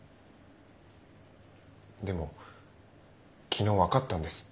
でも昨日分かったんです。